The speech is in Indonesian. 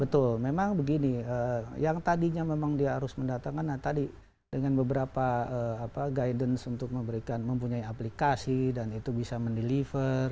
betul memang begini yang tadinya memang dia harus mendatangkan tadi dengan beberapa guidance untuk memberikan mempunyai aplikasi dan itu bisa mendeliver